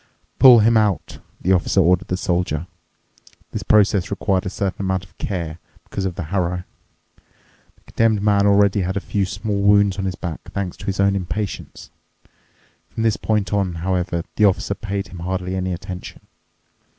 "Pull him out," the Officer ordered the Soldier. This process required a certain amount of care because of the harrow. The Condemned Man already had a few small wounds on his back, thanks to his own impatience. From this point on, however, the Officer paid him hardly any attention.